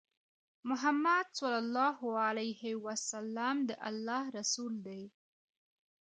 محمد صلی الله عليه وسلم د الله رسول دی